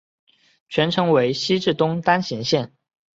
全程为西至东单行线。